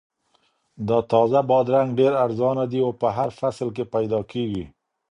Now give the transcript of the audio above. دا تازه بادرنګ ډېر ارزانه دي او په هر فصل کې پیدا کیږي.